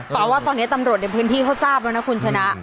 แต่ว่าตอนนี้ตำรวจในพื้นที่เขาทราบแล้วนะคุณชนะ